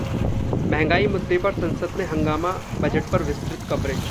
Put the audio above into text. महंगाई मुद्दे पर संसद में हंगामा । बजट पर विस्तृत कवरेज